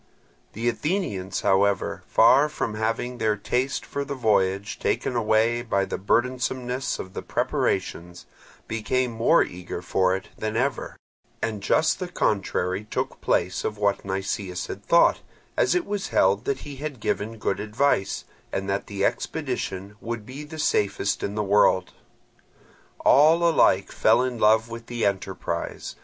The Athenians, however, far from having their taste for the voyage taken away by the burdensomeness of the preparations, became more eager for it than ever; and just the contrary took place of what Nicias had thought, as it was held that he had given good advice, and that the expedition would be the safest in the world. All alike fell in love with the enterprise.